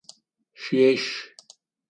Шъуешъу!